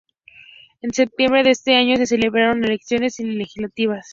En septiembre de ese año se celebraron elecciones legislativas.